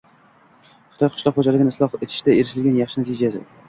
Xitoy qishloq xo‘jaligini isloh etishda erishilgan yaxshi natija